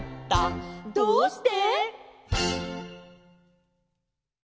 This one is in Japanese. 「どうして？」